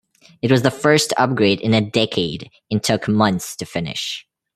It was the first upgrade in a decade and took months to finish.